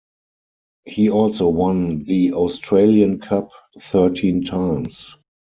He also won the Australian Cup thirteen times.